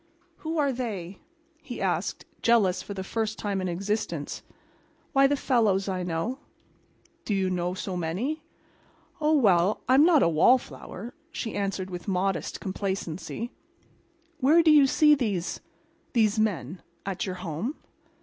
"Who are 'they'?" he asked, jealous for the first time in his existence. "Why, the fellows I know." "Do you know so many?" "Oh, well, I'm not a wall flower," she answered with modest complacency. "Where do you see these—these men? At your home?"